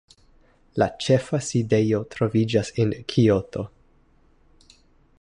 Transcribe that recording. La ĉefa sidejo troviĝas en Kioto.